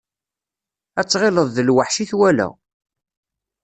Ad tɣileḍ d lweḥc i twala.